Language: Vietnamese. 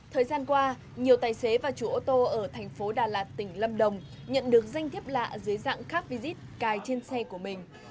thời gian qua nhiều tài xế và chủ ô tô ở thành phố đà lạt tỉnh lâm đồng nhận được danh thiếp lạ dưới dạng car visit cài trên xe của mình